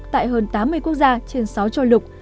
tại hơn tám mươi quốc gia trên sáu châu lục